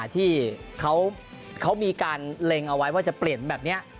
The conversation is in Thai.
ที่เขามีการเล็งเอาไว้ว่าจะเปลี่ยนแบบนี้